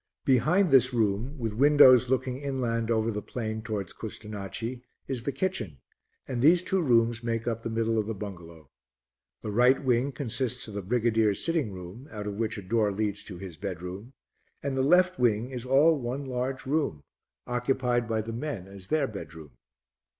Behind this room, with windows looking inland over the plain towards Custonaci, is the kitchen, and these two rooms make up the middle of the bungalow. The right wing consists of the brigadier's sitting room, out of which a door leads to his bedroom, and the left wing is all one large room, occupied by the men as their bedroom.